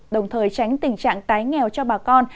đồng thời tránh tình trạng tái nghèo cho bà con